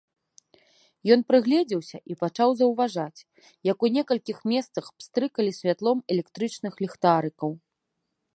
Ён прыгледзеўся і пачаў заўважаць, як у некалькіх месцах пстрыкалі святлом электрычных ліхтарыкаў.